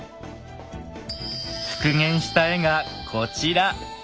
復元した絵がこちら！